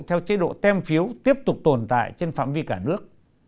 theo chế độ tem phiếu tiếp tục tồn tại trên phạm vi cả nước